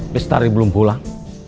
bestari belum pulang